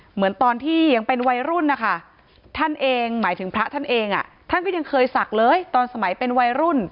เหมือนตอนที่ยังเป็นวัยรุ่นนะคะท่านเองหมายถึงพระท่านเองท่านก็ยังเคยศักดิ์เลยตอนสมัยเป็นวัยรุ่น